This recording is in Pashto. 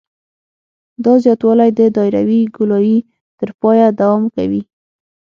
دا زیاتوالی د دایروي ګولایي تر پایه دوام کوي